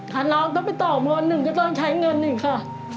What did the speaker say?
ถ้าน้องก็ไปต่อโมงหนึ่งก็ต้องใช้เงินอีกค่ะ